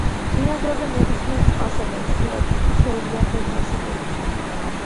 ბინადრობენ ნებისმიერ წყალსატევში, სადაც კი შეუძლია თევზს არსებობა.